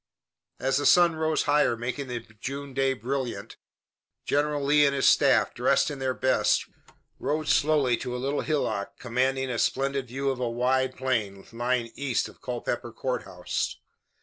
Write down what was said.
As the sun rose higher, making the June day brilliant, General Lee and his staff, dressed in their best, rode slowly to a little hillock commanding a splendid view of a wide plain lying east of Culpeper Court House.